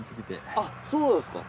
あっそうなんすか。